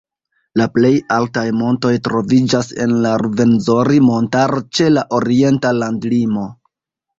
La plej altaj montoj troviĝas en la Ruvenzori-montaro ĉe la orienta landlimo.